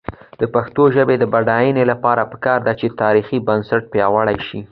د پښتو ژبې د بډاینې لپاره پکار ده چې تاریخي بنسټ پیاوړی شي.